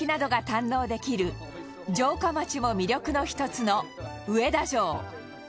堪能できる城下町も魅力の一つの上田城